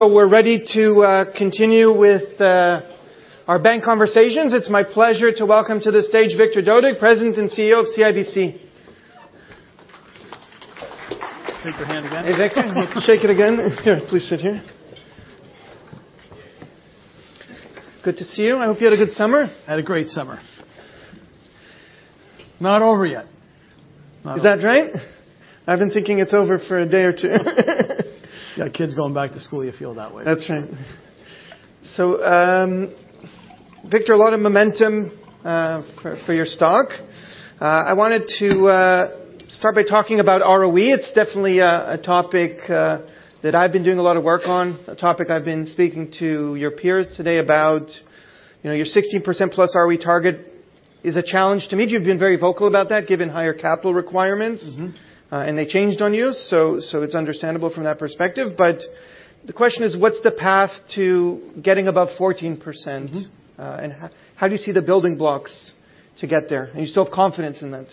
We're ready to continue with our bank conversations. It's my pleasure to welcome to the stage Victor Dodig, President and CEO of CIBC. Shake your hand again. Hey, Victor. Shake it again. Here, please sit here. Good to see you. I hope you had a good summer. I had a great summer. Not over yet. Is that right? I've been thinking it's over for a day or two. You got kids going back to school, you feel that way. That's right. Victor, a lot of momentum for your stock. I wanted to start by talking about ROE. It's definitely a topic that I've been doing a lot of work on, a topic I've been speaking to your peers today about. Your 16%+ ROE target is a challenge to meet. You've been very vocal about that, given higher capital requirements, and they changed on you. It is understandable from that perspective. The question is, what's the path to getting above 14%? How do you see the building blocks to get there? You still have confidence in that.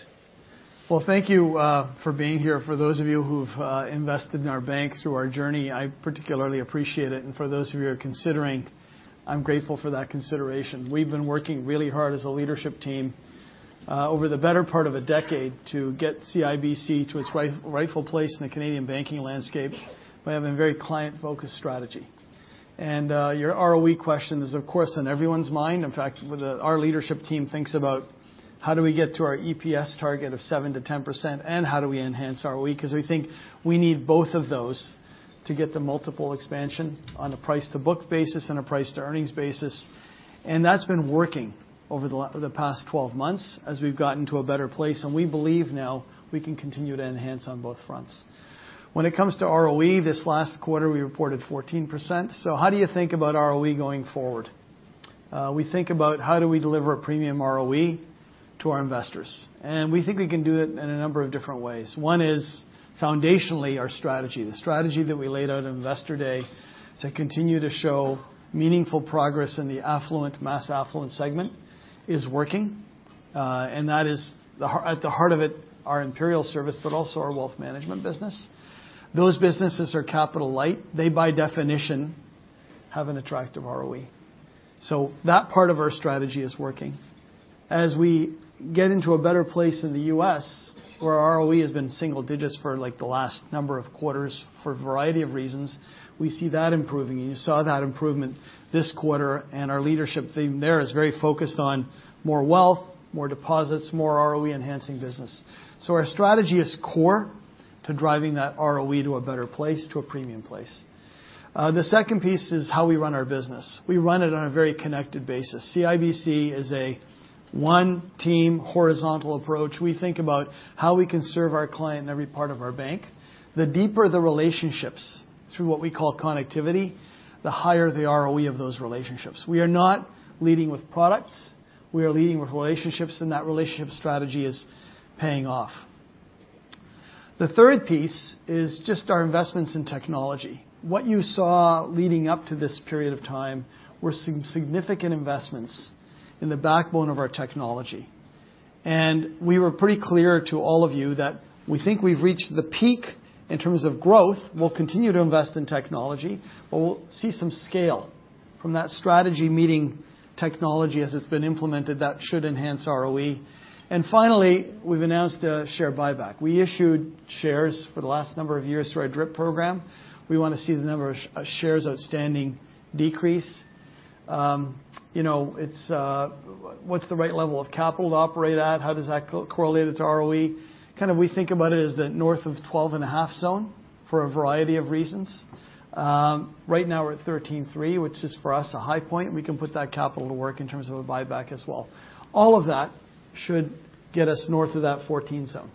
Thank you for being here. For those of you who've invested in our bank through our journey, I particularly appreciate it. For those of you who are considering, I'm grateful for that consideration. We've been working really hard as a leadership team over the better part of a decade to get CIBC to its rightful place in the Canadian banking landscape by having a very client-focused strategy. Your ROE question is, of course, on everyone's mind. In fact, our leadership team thinks about how do we get to our EPS target of 7%-10% and how do we enhance ROE? We think we need both of those to get the multiple expansion on a price-to-book basis and a price-to-earnings basis. That's been working over the past 12 months as we've gotten to a better place. We believe now we can continue to enhance on both fronts. When it comes to ROE, this last quarter we reported 14%. How do you think about ROE going forward? We think about how we deliver a premium ROE to our investors. We think we can do it in a number of different ways. One is, foundationally, our strategy. The strategy that we laid out on investor day to continue to show meaningful progress in the affluent, mass affluent segment is working. That is, at the heart of it, our Imperial Service, but also our wealth management business. Those businesses are capital-light. They, by definition, have an attractive ROE. That part of our strategy is working. As we get into a better place in the U.S., where ROE has been single digits for the last number of quarters for a variety of reasons, we see that improving. You saw that improvement this quarter. Our leadership theme there is very focused on more wealth, more deposits, more ROE-enhancing business. Our strategy is core to driving that ROE to a better place, to a premium place. The second piece is how we run our business. We run it on a very connected basis. CIBC is a one-team horizontal approach. We think about how we can serve our client in every part of our bank. The deeper the relationships through what we call connectivity, the higher the ROE of those relationships. We are not leading with products. We are leading with relationships. That relationship strategy is paying off. The third piece is just our investments in technology. What you saw leading up to this period of time were some significant investments in the backbone of our technology. We were pretty clear to all of you that we think we've reached the peak in terms of growth. We'll continue to invest in technology. We'll see some scale from that strategy meeting technology as it's been implemented. That should enhance ROE. Finally, we've announced a share buyback. We issued shares for the last number of years through our DRIP program. We want to see the number of shares outstanding decrease. What's the right level of capital to operate at? How does that correlate to ROE? We think about it as the north of 12.5% zone for a variety of reasons. Right now we're at 13.3%, which is for us a high point. We can put that capital to work in terms of a buyback as well. All of that should get us north of that 14% zone.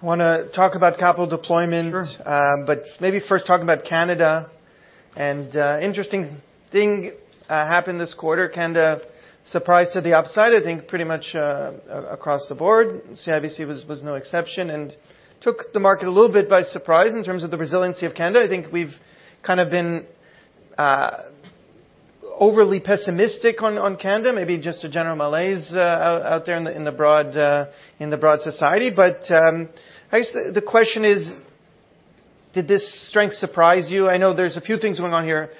I want to talk about capital deployment. Sure. Maybe first talk about Canada. An interesting thing happened this quarter. Canada surprised to the upside, I think, pretty much across the board. CIBC was no exception and took the market a little bit by surprise in terms of the resiliency of Canada. I think we've kind of been overly pessimistic on Canada, maybe just a general malaise out there in the broad society. The question is, did this strength surprise you? I know there's a few things going on here.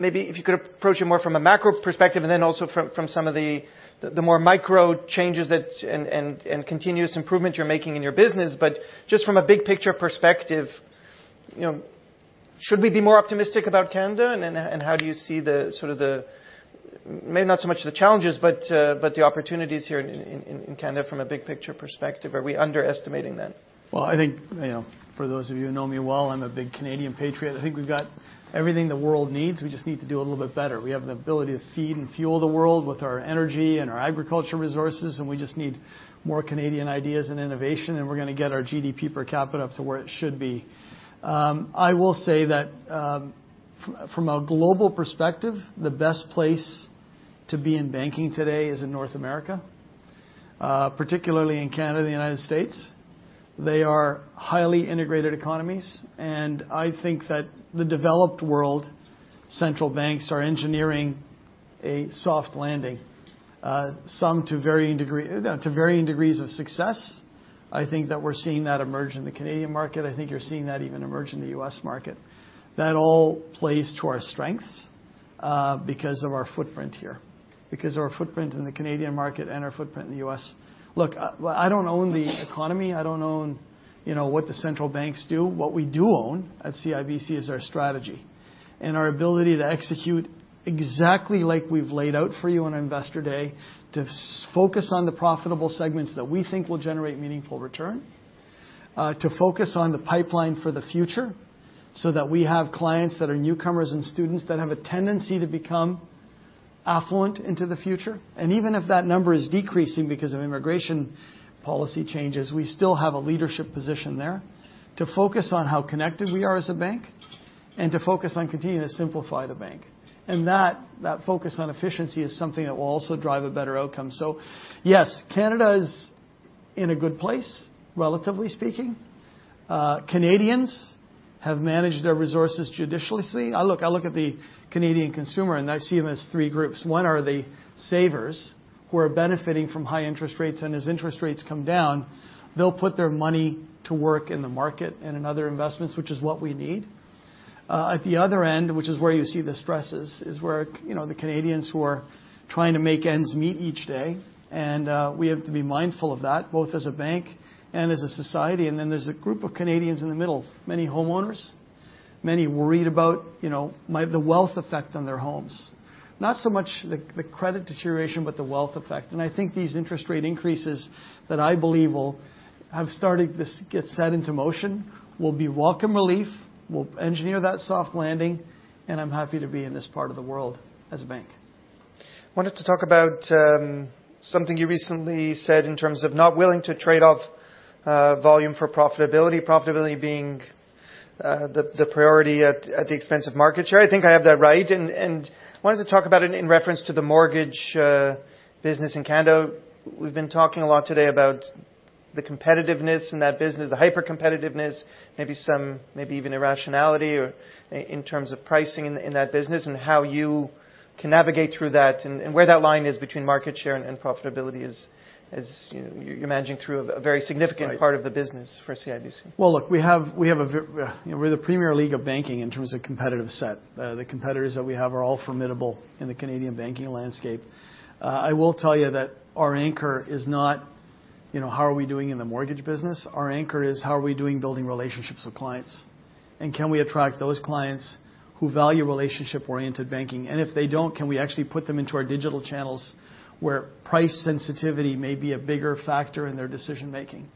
Maybe if you could approach it more from a macro perspective and then also from some of the more micro changes and continuous improvement you're making in your business. Just from a big picture perspective, should we be more optimistic about Canada? How do you see maybe not so much the challenges, but the opportunities here in Canada from a big picture perspective? Are we underestimating that? I think for those of you who know me well, I'm a big Canadian patriot. I think we've got everything the world needs. We just need to do a little bit better. We have the ability to feed and fuel the world with our energy and our agriculture resources. We just need more Canadian ideas and innovation. We're going to get our GDP per capita up to where it should be. I will say that from a global perspective, the best place to be in banking today is in North America, particularly in Canada, the United States. They are highly integrated economies. I think that the developed world central banks are engineering a soft landing, some to varying degrees of success. I think that we're seeing that emerge in the Canadian market. I think you're seeing that even emerge in the U.S. market. That all plays to our strengths because of our footprint here, because of our footprint in the Canadian market and our footprint in the U.S. Look, I do not own the economy. I do not own what the central banks do. What we do own at CIBC is our strategy and our ability to execute exactly like we have laid out for you on investor day, to focus on the profitable segments that we think will generate meaningful return, to focus on the pipeline for the future so that we have clients that are newcomers and students that have a tendency to become affluent into the future. Even if that number is decreasing because of immigration policy changes, we still have a leadership position there to focus on how connected we are as a bank and to focus on continuing to simplify the bank. That focus on efficiency is something that will also drive a better outcome. Yes, Canada is in a good place, relatively speaking. Canadians have managed their resources judiciously. Look, I look at the Canadian consumer and I see them as three groups. One are the savers who are benefiting from high interest rates. As interest rates come down, they'll put their money to work in the market and in other investments, which is what we need. At the other end, which is where you see the stresses, is where the Canadians who are trying to make ends meet each day. We have to be mindful of that, both as a bank and as a society. Then there's a group of Canadians in the middle, many homeowners, many worried about the wealth effect on their homes, not so much the credit deterioration, but the wealth effect. I think these interest rate increases that I believe will have started to get set into motion will be welcome relief. We'll engineer that soft landing. I'm happy to be in this part of the world as a bank. I wanted to talk about something you recently said in terms of not willing to trade off volume for profitability, profitability being the priority at the expense of market share. I think I have that right. I wanted to talk about it in reference to the mortgage business in Canada. We've been talking a lot today about the competitiveness in that business, the hyper-competitiveness, maybe even irrationality in terms of pricing in that business and how you can navigate through that. Where that line is between market share and profitability is you're managing through a very significant part of the business for CIBC. We have a we're the Premier League of banking in terms of competitive set. The competitors that we have are all formidable in the Canadian banking landscape. I will tell you that our anchor is not how are we doing in the mortgage business. Our anchor is how are we doing building relationships with clients? And can we attract those clients who value relationship-oriented banking? If they do not, can we actually put them into our digital channels where price sensitivity may be a bigger factor in their decision-making?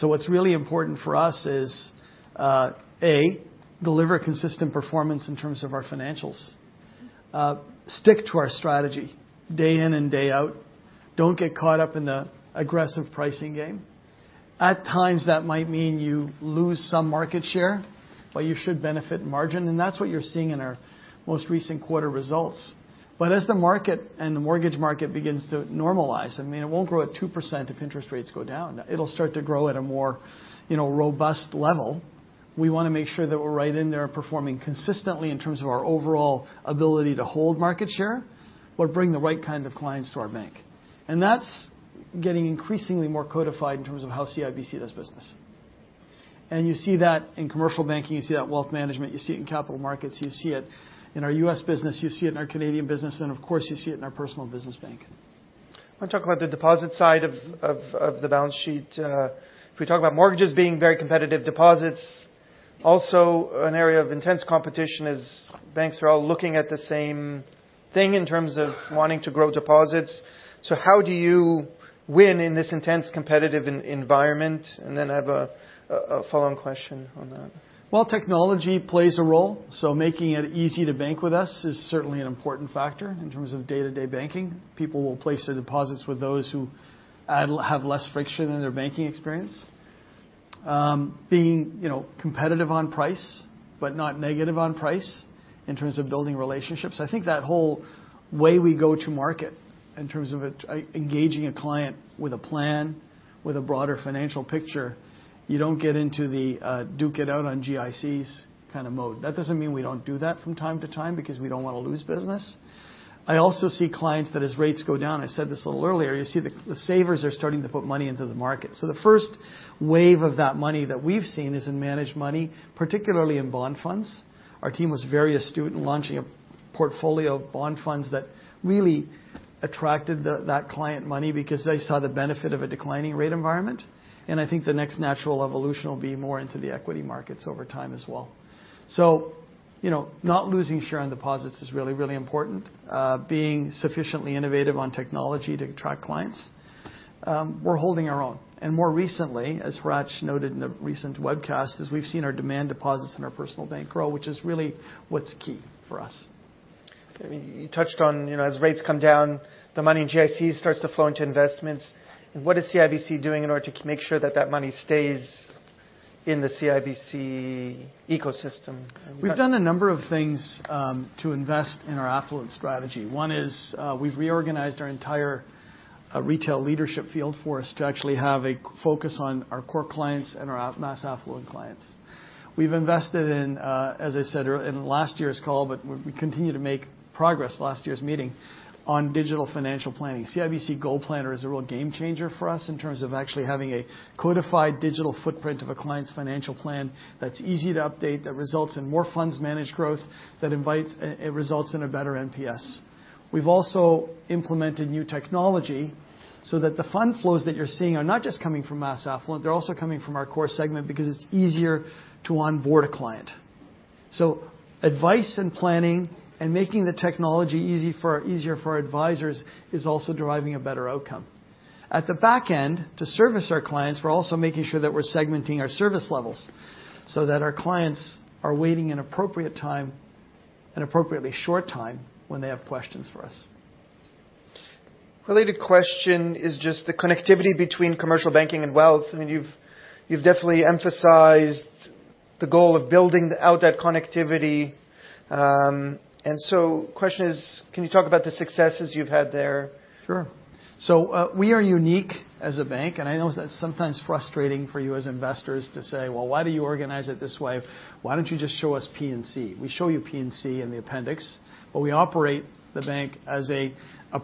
What is really important for us is, A, deliver consistent performance in terms of our financials, stick to our strategy day in and day out, do not get caught up in the aggressive pricing game. At times, that might mean you lose some market share, but you should benefit margin. That is what you're seeing in our most recent quarter results. As the market and the mortgage market begin to normalize, I mean, it won't grow at 2% if interest rates go down. It'll start to grow at a more robust level. We want to make sure that we're right in there performing consistently in terms of our overall ability to hold market share but bring the right kind of clients to our bank. That is getting increasingly more codified in terms of how CIBC does business. You see that in commercial banking. You see that in wealth management. You see it in capital markets. You see it in our U.S. business. You see it in our Canadian business. Of course, you see it in our personal business bank. I want to talk about the deposit side of the balance sheet. If we talk about mortgages being very competitive, deposits also an area of intense competition as banks are all looking at the same thing in terms of wanting to grow deposits. How do you win in this intense competitive environment? I have a follow-on question on that. Technology plays a role. Making it easy to bank with us is certainly an important factor in terms of day-to-day banking. People will place their deposits with those who have less friction in their banking experience, being competitive on price but not negative on price in terms of building relationships. I think that whole way we go to market in terms of engaging a client with a plan, with a broader financial picture, you do not get into the duke it out on GICs kind of mode. That does not mean we do not do that from time to time because we do not want to lose business. I also see clients that as rates go down, I said this a little earlier, you see the savers are starting to put money into the market. The first wave of that money that we've seen is in managed money, particularly in bond funds. Our team was very astute in launching a portfolio of bond funds that really attracted that client money because they saw the benefit of a declining rate environment. I think the next natural evolution will be more into the equity markets over time as well. Not losing share on deposits is really, really important, being sufficiently innovative on technology to attract clients. We're holding our own. More recently, as Rach noted in a recent webcast, we've seen our demand deposits in our personal bank grow, which is really what's key for us. You touched on as rates come down, the money in GICs starts to flow into investments. What is CIBC doing in order to make sure that that money stays in the CIBC ecosystem? We've done a number of things to invest in our affluent strategy. One is we've reorganized our entire retail leadership field for us to actually have a focus on our core clients and our mass affluent clients. We've invested in, as I said in last year's call, but we continue to make progress last year's meeting on digital financial planning. CIBC Gold Planner is a real game changer for us in terms of actually having a codified digital footprint of a client's financial plan that's easy to update, that results in more funds managed growth, that results in a better NPS. We've also implemented new technology so that the fund flows that you're seeing are not just coming from mass affluent. They're also coming from our core segment because it's easier to onboard a client. Advice and planning and making the technology easier for our advisors is also driving a better outcome. At the back end, to service our clients, we're also making sure that we're segmenting our service levels so that our clients are waiting an appropriate time, an appropriately short time when they have questions for us. Related question is just the connectivity between commercial banking and wealth. I mean, you've definitely emphasized the goal of building out that connectivity. The question is, can you talk about the successes you've had there? Sure. We are unique as a bank. I know that's sometimes frustrating for you as investors to say, why do you organize it this way? Why don't you just show us P&C? We show you P&C in the appendix. We operate the bank as a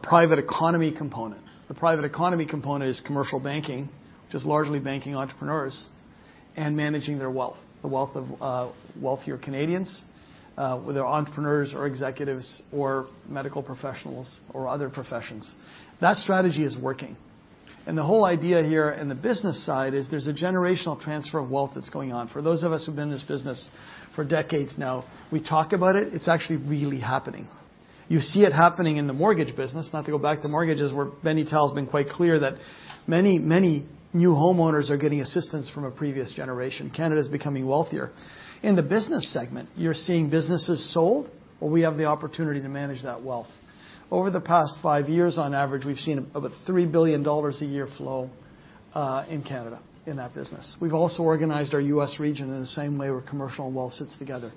private economy component. The private economy component is commercial banking, which is largely banking entrepreneurs and managing their wealth, the wealth of wealthier Canadians whether entrepreneurs or executives or medical professionals or other professions. That strategy is working. The whole idea here in the business side is there's a generational transfer of wealth that's going on. For those of us who've been in this business for decades now, we talk about it. It's actually really happening. You see it happening in the mortgage business. Not to go back to mortgages, where Benny Tao has been quite clear that many, many new homeowners are getting assistance from a previous generation. Canada is becoming wealthier. In the business segment, you're seeing businesses sold, or we have the opportunity to manage that wealth. Over the past five years, on average, we've seen about 3 billion dollars a year flow in Canada in that business. We've also organized our U.S. region in the same way where commercial and wealth sits together.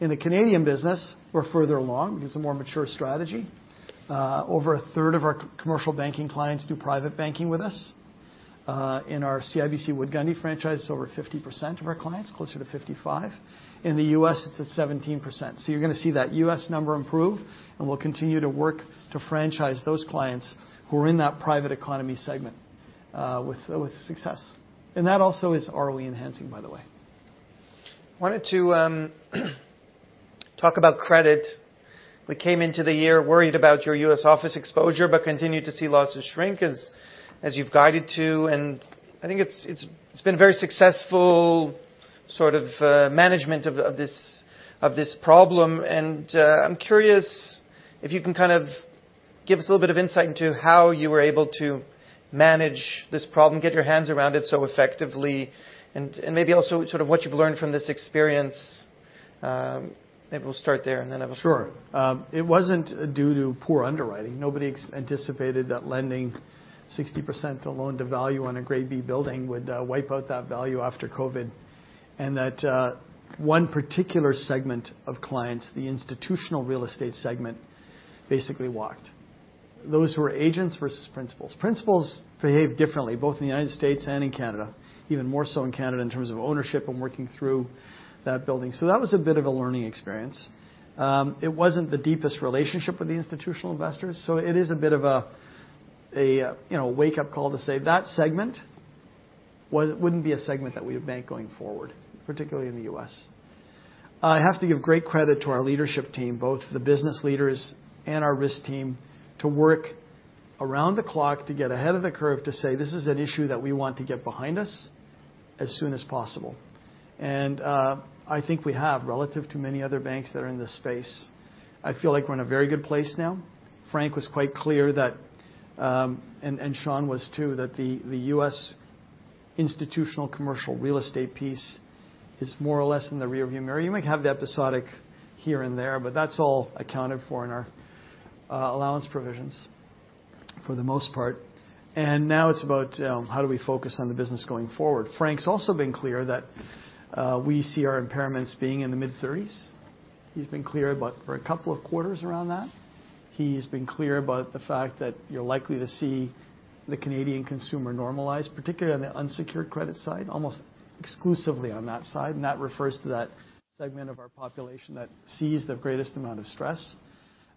In the Canadian business, we're further along because it's a more mature strategy. Over a third of our commercial banking clients do private banking with us. In our CIBC Wood Gundy franchise, it's over 50% of our clients, closer to 55%. In the U.S., it's at 17%. You're going to see that U.S. number improve. We will continue to work to franchise those clients who are in that private economy segment with success. That also is ROE enhancing, by the way. I wanted to talk about credit. We came into the year worried about your U.S. office exposure but continue to see lots of shrink, as you've guided to. I think it's been a very successful sort of management of this problem. I'm curious if you can kind of give us a little bit of insight into how you were able to manage this problem, get your hands around it so effectively, and maybe also sort of what you've learned from this experience. Maybe we'll start there, and then I will. Sure. It was not due to poor underwriting. Nobody anticipated that lending 60% to loan to value on a Grade B building would wipe out that value after COVID and that one particular segment of clients, the institutional real estate segment, basically walked. Those who are agents versus principals. Principals behave differently both in the United States and in Canada, even more so in Canada in terms of ownership and working through that building. That was a bit of a learning experience. It was not the deepest relationship with the institutional investors. It is a bit of a wake-up call to say that segment would not be a segment that we would bank going forward, particularly in the U.S. I have to give great credit to our leadership team, both the business leaders and our risk team, to work around the clock to get ahead of the curve to say, this is an issue that we want to get behind us as soon as possible. I think we have, relative to many other banks that are in this space, I feel like we're in a very good place now. Frank was quite clear that, and Shawn was too, that the U.S. institutional commercial real estate piece is more or less in the rearview mirror. You might have the episodic here and there, but that's all accounted for in our allowance provisions for the most part. Now it's about how do we focus on the business going forward. Frank's also been clear that we see our impairments being in the mid-30s. He's been clear about for a couple of quarters around that. He's been clear about the fact that you're likely to see the Canadian consumer normalize, particularly on the unsecured credit side, almost exclusively on that side. That refers to that segment of our population that sees the greatest amount of stress.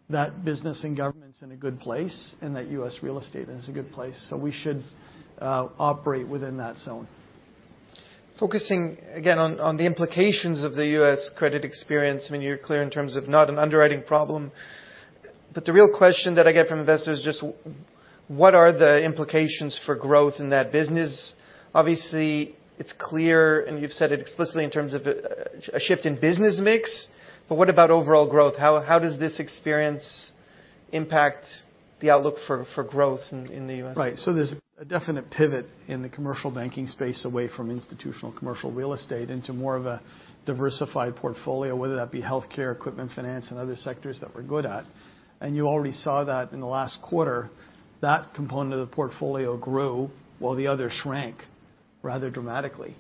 That business and government's in a good place, and that U.S. real estate is a good place. We should operate within that zone. Focusing again on the implications of the U.S. credit experience, I mean, you're clear in terms of not an underwriting problem. The real question that I get from investors is just, what are the implications for growth in that business? Obviously, it's clear, and you've said it explicitly in terms of a shift in business mix. What about overall growth? How does this experience impact the outlook for growth in the U.S.? Right. There is a definite pivot in the commercial banking space away from institutional commercial real estate into more of a diversified portfolio, whether that be healthcare, equipment, finance, and other sectors that we are good at. You already saw that in the last quarter, that component of the portfolio grew while the other shrank rather dramatically.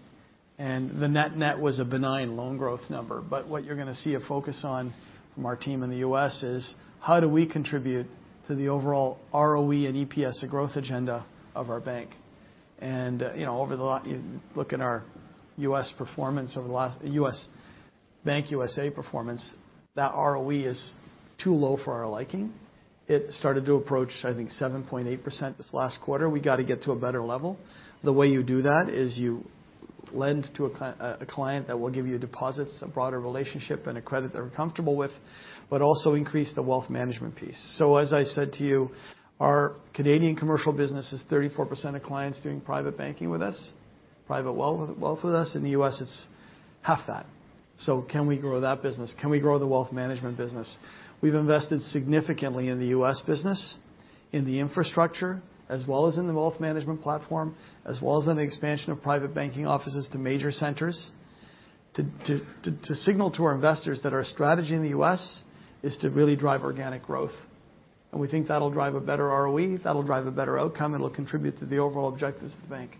The net-net was a benign loan growth number. What you are going to see a focus on from our team in the U.S. is how we contribute to the overall ROE and EPS growth agenda of our bank. Over the last, you look at our U.S. performance over the last Bank USA performance, that ROE is too low for our liking. It started to approach, I think, 7.8% this last quarter. We have to get to a better level. The way you do that is you lend to a client that will give you deposits, a broader relationship, and a credit they're comfortable with, but also increase the wealth management piece. As I said to you, our Canadian commercial business is 34% of clients doing private banking with us, private wealth with us. In the U.S., it's half that. Can we grow that business? Can we grow the wealth management business? We've invested significantly in the U.S. business, in the infrastructure, as well as in the wealth management platform, as well as in the expansion of private banking offices to major centers to signal to our investors that our strategy in the U.S. is to really drive organic growth. We think that'll drive a better ROE. That'll drive a better outcome. It'll contribute to the overall objectives of the bank.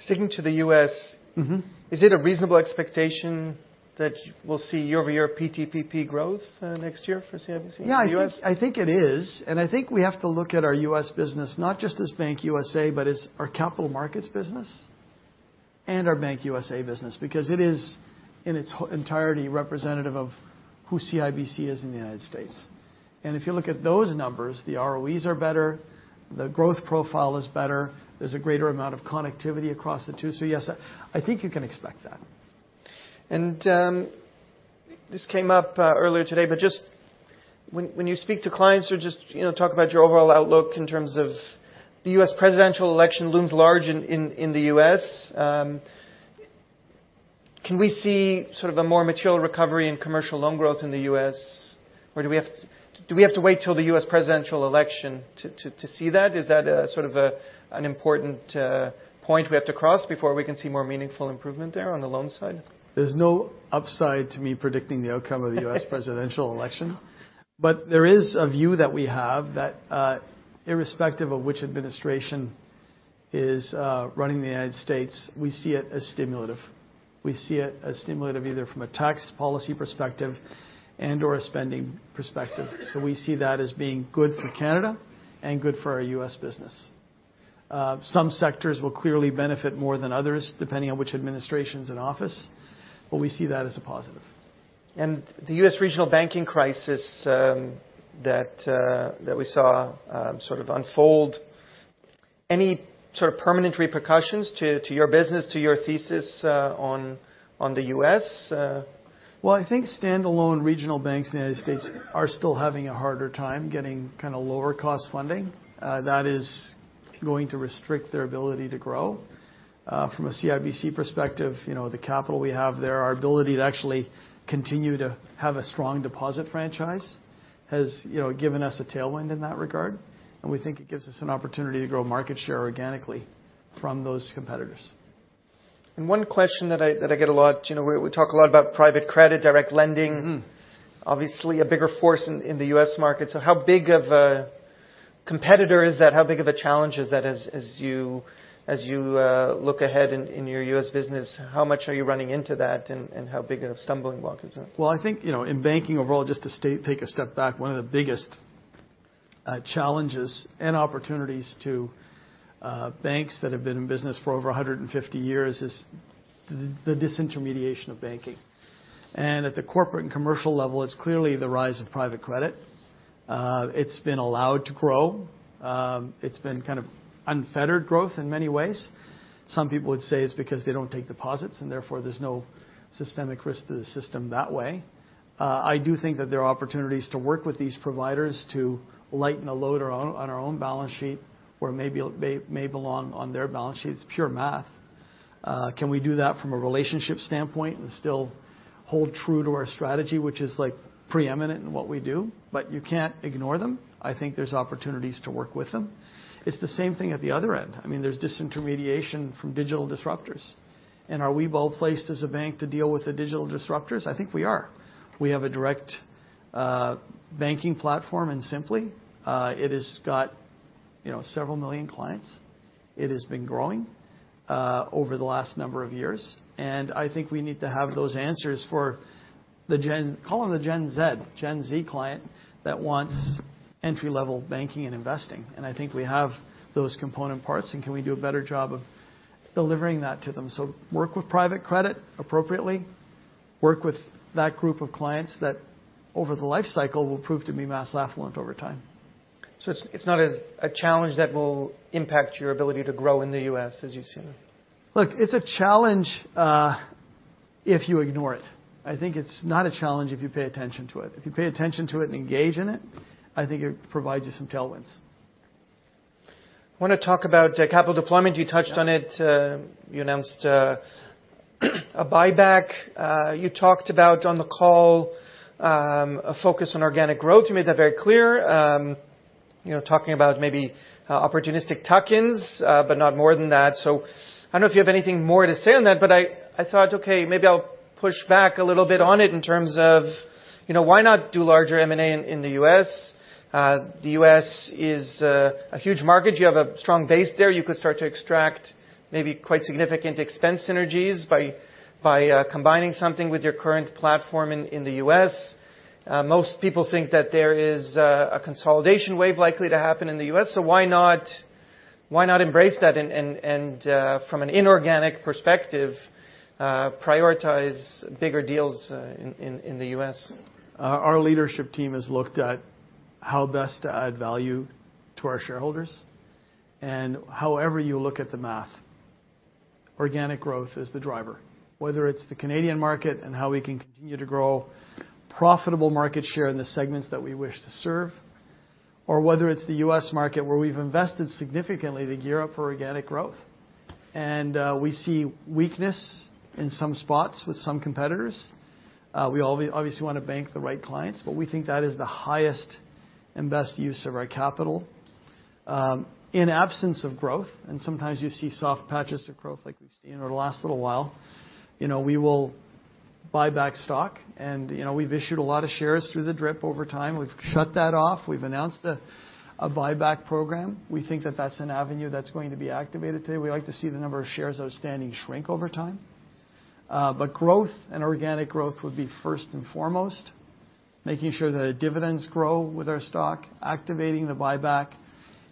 Sticking to the U.S., is it a reasonable expectation that we'll see year-over-year PTPP growth next year for CIBC in the U.S.? Yeah, I think it is. I think we have to look at our U.S. business not just as Bank USA, but as our capital markets business and our Bank USA business because it is in its entirety representative of who CIBC is in the United States. If you look at those numbers, the ROEs are better. The growth profile is better. There is a greater amount of connectivity across the two. Yes, I think you can expect that. This came up earlier today, but just when you speak to clients or just talk about your overall outlook in terms of the U.S. presidential election looms large in the U.S., can we see sort of a more material recovery in commercial loan growth in the U.S.? Or do we have to wait till the U.S. presidential election to see that? Is that sort of an important point we have to cross before we can see more meaningful improvement there on the loan side? There's no upside to me predicting the outcome of the U.S. presidential election. There is a view that we have that irrespective of which administration is running the United States, we see it as stimulative. We see it as stimulative either from a tax policy perspective and/or a spending perspective. We see that as being good for Canada and good for our U.S. business. Some sectors will clearly benefit more than others, depending on which administration's in office. We see that as a positive. The U.S. regional banking crisis that we saw sort of unfold, any sort of permanent repercussions to your business, to your thesis on the U.S.? I think standalone regional banks in the United States are still having a harder time getting kind of lower-cost funding. That is going to restrict their ability to grow. From a CIBC perspective, the capital we have there, our ability to actually continue to have a strong deposit franchise has given us a tailwind in that regard. We think it gives us an opportunity to grow market share organically from those competitors. One question that I get a lot, we talk a lot about private credit, direct lending, obviously a bigger force in the U.S. market. How big of a competitor is that? How big of a challenge is that as you look ahead in your U.S. business? How much are you running into that, and how big of a stumbling block is that? I think in banking overall, just to take a step back, one of the biggest challenges and opportunities to banks that have been in business for over 150 years is the disintermediation of banking. At the corporate and commercial level, it's clearly the rise of private credit. It's been allowed to grow. It's been kind of unfettered growth in many ways. Some people would say it's because they don't take deposits, and therefore there's no systemic risk to the system that way. I do think that there are opportunities to work with these providers to lighten a load on our own balance sheet where maybe it may belong on their balance sheets. It's pure math. Can we do that from a relationship standpoint and still hold true to our strategy, which is preeminent in what we do? You can't ignore them. I think there's opportunities to work with them. It's the same thing at the other end. I mean, there's disintermediation from digital disruptors. And are we well placed as a bank to deal with the digital disruptors? I think we are. We have a direct banking platform in Simplii. It has got several million clients. It has been growing over the last number of years. I think we need to have those answers for the Gen Z client that wants entry-level banking and investing. I think we have those component parts. Can we do a better job of delivering that to them? Work with private credit appropriately. Work with that group of clients that over the lifecycle will prove to be mass affluent over time. It's not a challenge that will impact your ability to grow in the U.S., as you've seen? Look, it's a challenge if you ignore it. I think it's not a challenge if you pay attention to it. If you pay attention to it and engage in it, I think it provides you some tailwinds. I want to talk about capital deployment. You touched on it. You announced a buyback. You talked about on the call a focus on organic growth. You made that very clear, talking about maybe opportunistic tuck-ins, but not more than that. I do not know if you have anything more to say on that, but I thought, okay, maybe I will push back a little bit on it in terms of why not do larger M&A in the U.S.? The U.S. is a huge market. You have a strong base there. You could start to extract maybe quite significant expense synergies by combining something with your current platform in the U.S. Most people think that there is a consolidation wave likely to happen in the U.S. Why not embrace that and, from an inorganic perspective, prioritize bigger deals in the U.S.? Our leadership team has looked at how best to add value to our shareholders. However you look at the math, organic growth is the driver, whether it's the Canadian market and how we can continue to grow profitable market share in the segments that we wish to serve, or whether it's the U.S. market where we've invested significantly to gear up for organic growth. We see weakness in some spots with some competitors. We obviously want to bank the right clients, but we think that is the highest and best use of our capital. In absence of growth, and sometimes you see soft patches of growth like we've seen over the last little while, we will buy back stock. We've issued a lot of shares through the DRIP over time. We've shut that off. We've announced a buyback program. We think that that's an avenue that's going to be activated today. We like to see the number of shares outstanding shrink over time. Growth and organic growth would be first and foremost, making sure that dividends grow with our stock, activating the buyback.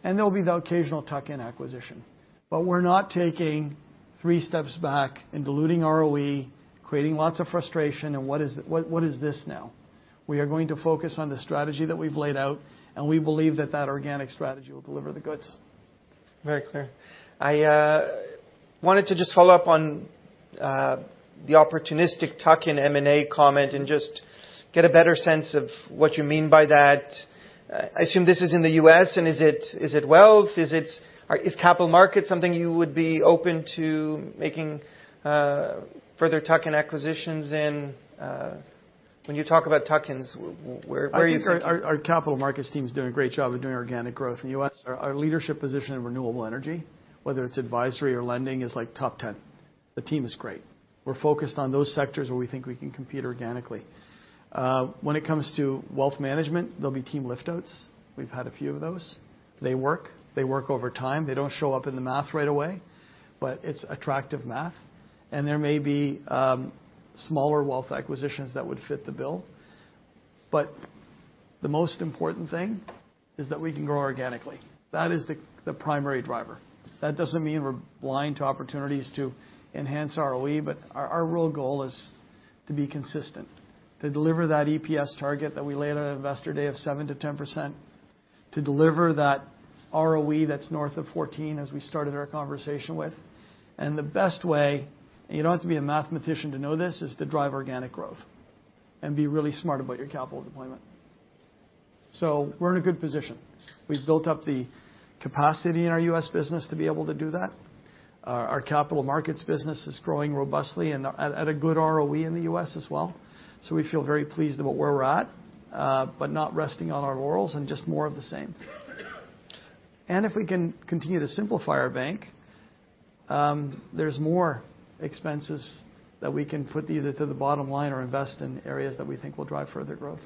There will be the occasional tuck-in acquisition. We are not taking three steps back and diluting ROE, creating lots of frustration. What is this now? We are going to focus on the strategy that we've laid out. We believe that that organic strategy will deliver the goods. Very clear. I wanted to just follow up on the opportunistic tuck-in M&A comment and just get a better sense of what you mean by that. I assume this is in the U.S. Is it wealth? Is capital markets something you would be open to making further tuck-in acquisitions in? When you talk about tuck-ins, where are you? I think our capital markets team is doing a great job of doing organic growth. In the U.S., our leadership position in renewable energy, whether it's advisory or lending, is like top 10. The team is great. We're focused on those sectors where we think we can compete organically. When it comes to wealth management, there'll be team liftouts. We've had a few of those. They work. They work over time. They don't show up in the math right away, but it's attractive math. There may be smaller wealth acquisitions that would fit the bill. The most important thing is that we can grow organically. That is the primary driver. That does not mean we are blind to opportunities to enhance ROE, but our real goal is to be consistent, to deliver that EPS target that we laid out on investor day of 7%-10%, to deliver that ROE that is north of 14% as we started our conversation with. The best way, and you do not have to be a mathematician to know this, is to drive organic growth and be really smart about your capital deployment. We are in a good position. We have built up the capacity in our U.S. business to be able to do that. Our capital markets business is growing robustly and at a good ROE in the U.S. as well. We feel very pleased about where we are at, not resting on our laurels and just more of the same. If we can continue to simplify our bank, there is more expenses that we can put either to the bottom line or invest in areas that we think will drive further growth.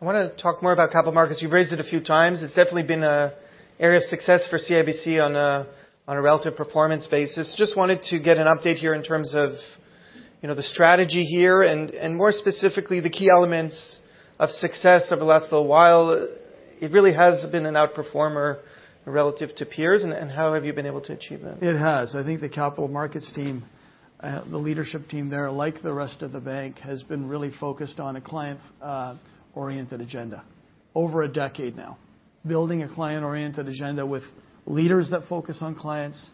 I want to talk more about capital markets. You've raised it a few times. It's definitely been an area of success for CIBC on a relative performance basis. Just wanted to get an update here in terms of the strategy here and more specifically the key elements of success over the last little while. It really has been an outperformer relative to peers. How have you been able to achieve that? It has. I think the capital markets team, the leadership team there, like the rest of the bank, has been really focused on a client-oriented agenda over a decade now, building a client-oriented agenda with leaders that focus on clients,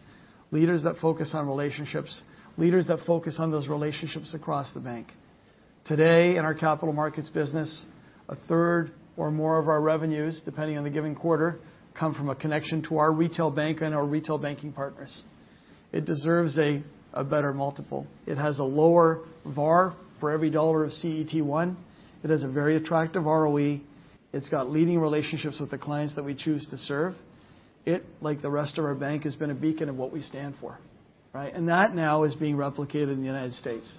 leaders that focus on relationships, leaders that focus on those relationships across the bank. Today, in our capital markets business, a third or more of our revenues, depending on the given quarter, come from a connection to our retail bank and our retail banking partners. It deserves a better multiple. It has a lower VAR for every dollar of CET1. It has a very attractive ROE. It's got leading relationships with the clients that we choose to serve. It, like the rest of our bank, has been a beacon of what we stand for. That now is being replicated in the United States.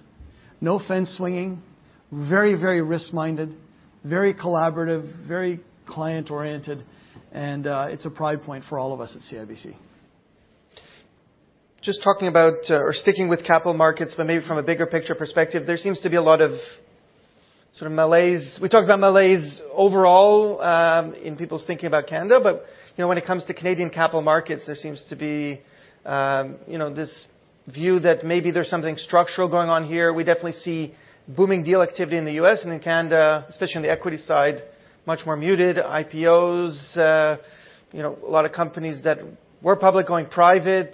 No fence swinging, very, very risk-minded, very collaborative, very client-oriented. It is a pride point for all of us at CIBC. Just talking about or sticking with capital markets, but maybe from a bigger picture perspective, there seems to be a lot of sort of malaise. We talked about malaise overall in people's thinking about Canada. When it comes to Canadian capital markets, there seems to be this view that maybe there's something structural going on here. We definitely see booming deal activity in the U.S. and in Canada, especially on the equity side, much more muted, IPOs, a lot of companies that were public going private.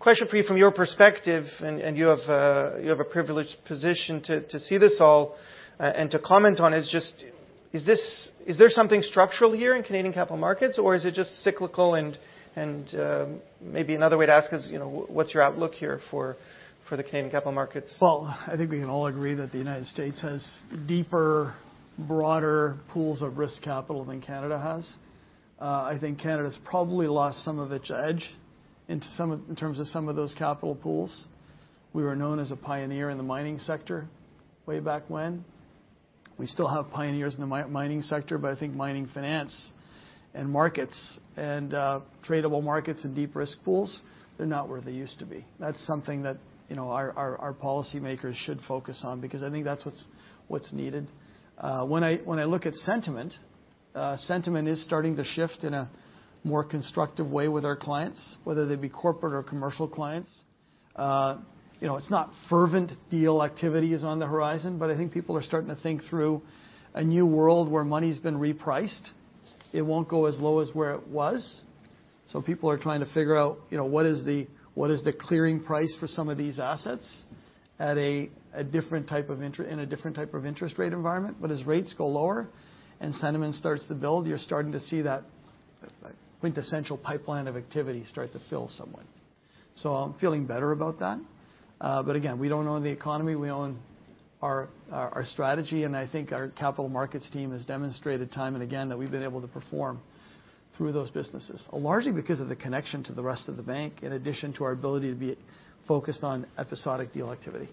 Question for you from your perspective, and you have a privileged position to see this all and to comment on, is just is there something structural here in Canadian capital markets, or is it just cyclical? Maybe another way to ask is, what's your outlook here for the Canadian capital markets? I think we can all agree that the United States has deeper, broader pools of risk capital than Canada has. I think Canada has probably lost some of its edge in terms of some of those capital pools. We were known as a pioneer in the mining sector way back when. We still have pioneers in the mining sector, but I think mining finance and markets and tradable markets and deep risk pools, they're not where they used to be. That's something that our policymakers should focus on because I think that's what's needed. When I look at sentiment, sentiment is starting to shift in a more constructive way with our clients, whether they be corporate or commercial clients. It's not fervent deal activity is on the horizon, but I think people are starting to think through a new world where money's been repriced. It will not go as low as where it was. People are trying to figure out what is the clearing price for some of these assets at a different type of interest in a different type of interest rate environment. As rates go lower and sentiment starts to build, you are starting to see that quintessential pipeline of activity start to fill somewhat. I am feeling better about that. Again, we do not own the economy. We own our strategy. I think our capital markets team has demonstrated time and again that we have been able to perform through those businesses, largely because of the connection to the rest of the bank, in addition to our ability to be focused on episodic deal activity.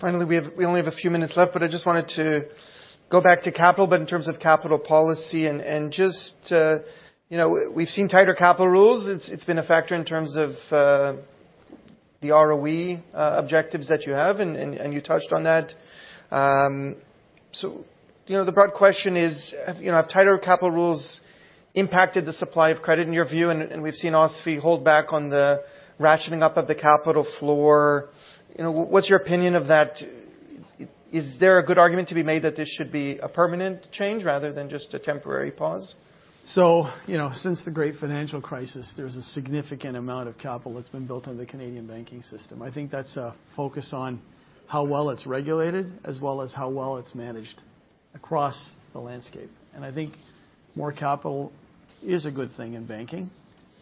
Finally, we only have a few minutes left, but I just wanted to go back to capital, but in terms of capital policy. Just we've seen tighter capital rules. It's been a factor in terms of the ROE objectives that you have, and you touched on that. The broad question is, have tighter capital rules impacted the supply of credit in your view? We've seen OSFI hold back on the rationing up of the capital floor. What's your opinion of that? Is there a good argument to be made that this should be a permanent change rather than just a temporary pause? Since the great financial crisis, there's a significant amount of capital that's been built on the Canadian banking system. I think that's a focus on how well it's regulated as well as how well it's managed across the landscape. I think more capital is a good thing in banking,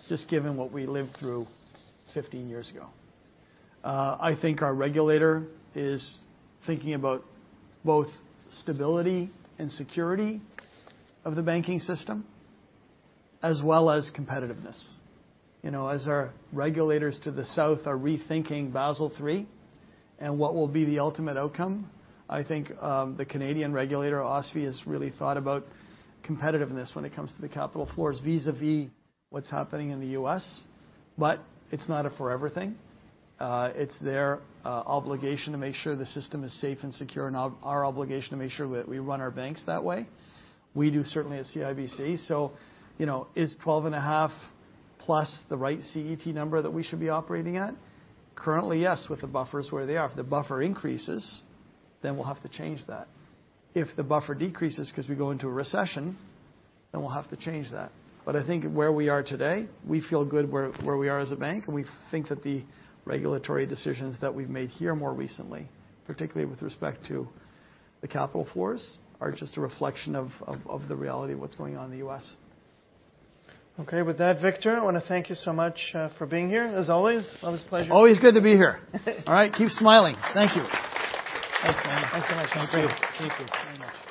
just given what we lived through 15 years ago. I think our regulator is thinking about both stability and security of the banking system as well as competitiveness. As our regulators to the south are rethinking Basel III and what will be the ultimate outcome, I think the Canadian regulator, OSFI, has really thought about competitiveness when it comes to the capital floors vis-à-vis what's happening in the U.S. It's not a forever thing. It's their obligation to make sure the system is safe and secure and our obligation to make sure that we run our banks that way. We do certainly at CIBC. Is 12.5%+ the right CET1 number that we should be operating at? Currently, yes, with the buffers where they are. If the buffer increases, then we'll have to change that. If the buffer decreases because we go into a recession, then we'll have to change that. I think where we are today, we feel good where we are as a bank. We think that the regulatory decisions that we've made here more recently, particularly with respect to the capital floors, are just a reflection of the reality of what's going on in the U.S. Okay. With that, Victor, I want to thank you so much for being here. As always, always a pleasure. Always good to be here. All right. Keep smiling. Thank you. Thanks, man. Thanks so much. Thank you. Thank you very much.